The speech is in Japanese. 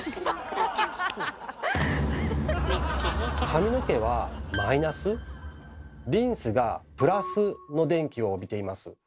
髪の毛はマイナスリンスがプラスの電気を帯びています。